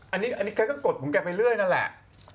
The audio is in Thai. อันนี้เค้าก็กดผมแกไปเรื่อยนะแหละ